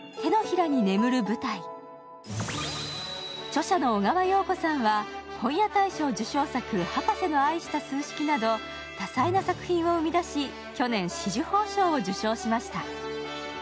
著者の小川洋子さんは本屋大賞受賞作、「博士の愛した数式」など多彩な作品を生み出し、去年、紫綬褒章を受章しました。